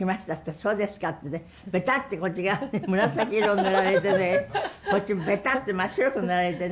そうですかってねベタッてこっち側に紫色塗られてねこっちベタッて真っ白く塗られてね。